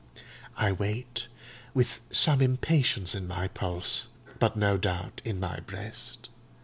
I wait, with some impatience in my pulse, but no doubt in my breast.